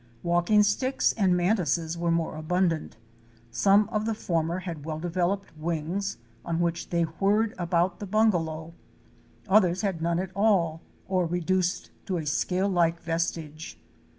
* Walking sticks and mantises were more abundant. Some of the former had well developed wings on which they whirred about the bungalow; others had none at all or reduced to a scale like vestige.